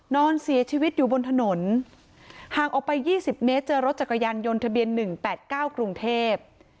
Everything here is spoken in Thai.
นอนเสียชีวิตอยู่บนถนนห่างออกไปยี่สิบเมตรเจอรถจักรยานโยนทะเบียนหนึ่งแปดเก้ากรุงเทพฯ